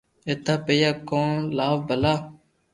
ايتا پيئا ڪيو لاو ڀلا